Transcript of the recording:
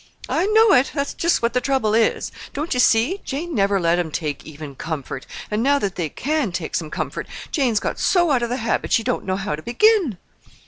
"I know it. And that's just what the trouble is. Don't you see? Jane never let 'em take even comfort, and now that they can take some comfort, Jane's got so out of the habit, she don't know how to begin."